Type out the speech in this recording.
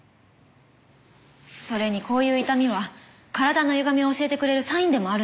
それにこういう痛みは体のゆがみを教えてくれるサインでもあるの。